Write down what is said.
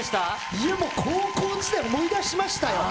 いや、もう高校時代、思い出しましたよ。